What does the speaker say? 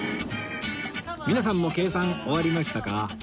皆さんも計算終わりましたか？